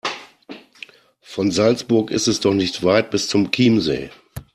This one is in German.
Von Salzburg ist es doch nicht weit bis zum Chiemsee.